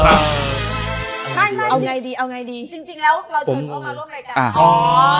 เอาไงดีเอาไงดีจริงจริงแล้วเราเชิญพวกเขามาร่วมรายการอ๋อ